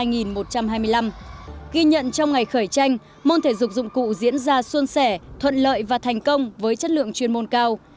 ghi nhận trong ngày khởi tranh môn thể dục dụng cụ diễn ra xuân sẻ thuận lợi và thành công với chất lượng chuyên môn cao